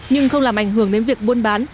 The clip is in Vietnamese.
nhưng không làm ảnh hưởng đến việc buôn bán